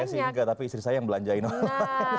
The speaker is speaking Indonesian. saya sih enggak tapi istri saya yang belanjain orang